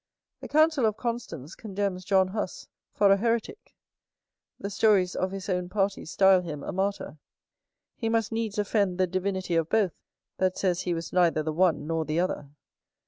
The council of Constance condemns John Huss for a heretick; the stories of his own party style him a martyr. He must needs offend the divinity of both, that says he was neither the one nor the other.